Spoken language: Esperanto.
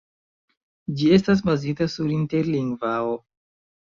Ĝi estas bazita sur Interlingvao.